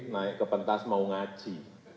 naik ke pentas mau ngaji